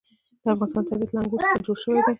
د افغانستان طبیعت له انګور څخه جوړ شوی دی.